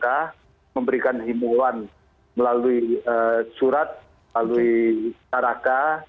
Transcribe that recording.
kami sudah memberikan himbawan melalui surat melalui taraka